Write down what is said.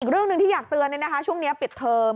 เรื่องหนึ่งที่อยากเตือนช่วงนี้ปิดเทอม